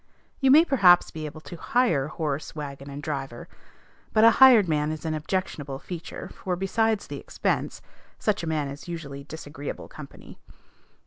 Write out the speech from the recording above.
You may perhaps be able to hire horse, wagon, and driver; but a hired man is an objectionable feature, for, besides the expense, such a man is usually disagreeable company.